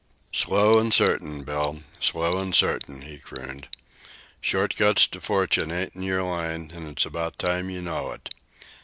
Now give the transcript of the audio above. "Slow an' certain, Bill; slow an' certain," he crooned. "Short cuts to fortune ain't in your line, an' it's about time you know it.